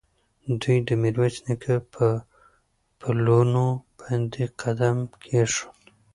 دوی د میرویس نیکه پر پلونو باندې قدم کېښود.